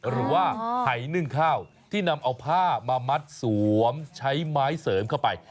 หรือว่าหายนึ่งข้าวที่นำเอาผ้ามามัดสวมใช้ไม้เสริมเข้าไป